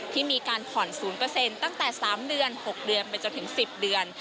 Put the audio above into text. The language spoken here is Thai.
ที่มีการผ่อน๐ตั้งแต่๓เดือน๖เดือนไปจนถึง๑๐เดือน